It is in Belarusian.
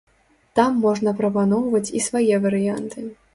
Там можна прапаноўваць і свае варыянты.